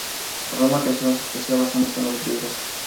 Roma creó su poesía basándose en los griegos.